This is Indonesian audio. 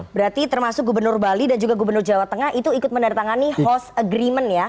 berarti termasuk gubernur bali dan juga gubernur jawa tengah itu ikut menandatangani host agreement ya